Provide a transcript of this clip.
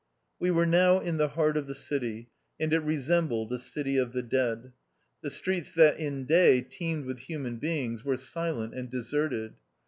We were now in the heart of the city, and it resembled a city of the dead. The streets that in day teemed with human beings were silent and deserted.